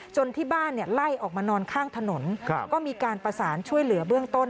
ที่บ้านเนี่ยไล่ออกมานอนข้างถนนก็มีการประสานช่วยเหลือเบื้องต้น